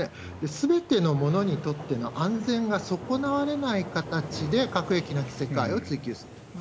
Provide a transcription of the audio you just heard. すべてのものにとっての安全が損なわれない形で、核兵器なき世界を追求する。